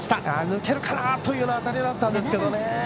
抜けるかなという当たりだったんですけどね。